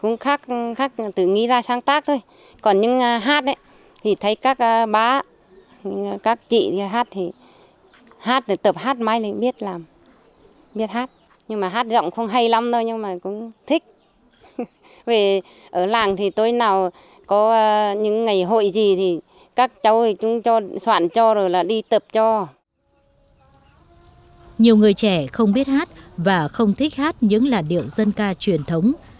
nhiều người trẻ không biết hát và không thích hát những làn điệu dân ca truyền thống